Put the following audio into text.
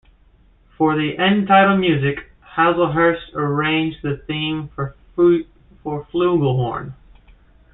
For the end title music, Hazlehurst arranged the theme for flugelhorn.